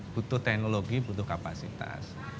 butuh teknologi butuh kapasitas